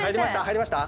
入りました？